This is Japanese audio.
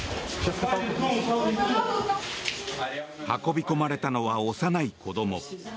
運び込まれたのは幼い子ども。